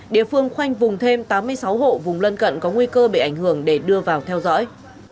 địa phương khoanh vùng thêm tám mươi sáu hộ vùng lân cận có nguy cơ bị ảnh hưởng để đưa vào theo dõi